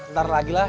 ntar lagi lah